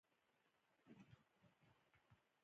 ـ د بد زوی له لاسه ښه پلار کنځل کېږي .